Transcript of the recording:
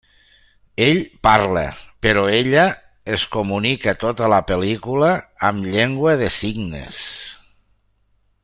Ell parla, però ella es comunica tota la pel·lícula amb llengua de signes.